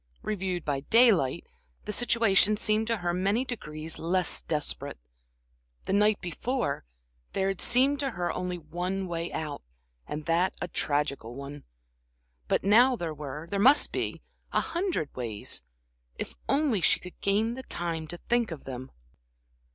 Reviewed by daylight, the situation seemed to her many degrees less desperate. The night before, there had seemed to her only one way out, and that a tragical one; but now there were there must be a hundred ways, if only she could gain the time to think of them.